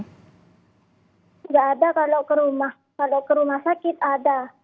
tidak ada kalau ke rumah kalau ke rumah sakit ada